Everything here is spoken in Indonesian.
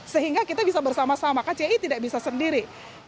sehingga kita bisa bersama sama kci tidak bisa sendiri